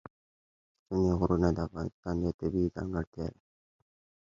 ستوني غرونه د افغانستان یوه طبیعي ځانګړتیا ده.